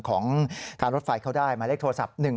ของการรถไฟเขาได้หมายเลขโทรศัพท์๑๒